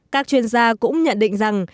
các chuyên gia cũng nhận định rằng